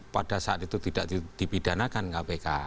pada saat itu tidak dipidanakan kpk